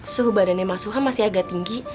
suhu badannya mas suha masih agak tinggi